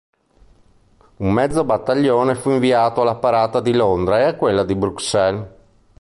Un mezzo battaglione fu inviato alla parata di Londra ed a quella di Bruxelles.